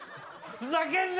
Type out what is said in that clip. ふざけんな！